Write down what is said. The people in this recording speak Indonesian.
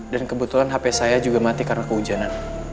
dan kebetulan hp saya juga mati karena keujanan